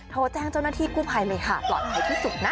โทรแจ้งเจ้าหน้าที่กู้ภัยเลยค่ะปลอดภัยที่สุดนะ